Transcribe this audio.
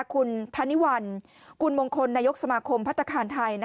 คุณธนิวัลคุณมงคลนายกสมาคมพัฒนาคารไทย